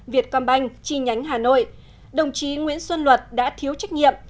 việt công banh chi nhánh hà nội đồng chí nguyễn xuân luật đã thiếu trách nhiệm